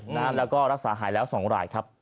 น้ำและรักษาหายแล้ว๒รายครับ